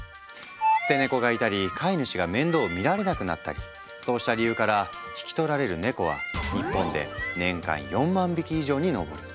捨て猫がいたり飼い主が面倒を見られなくなったりそうした理由から引き取られるネコは日本で年間４万匹以上に上る。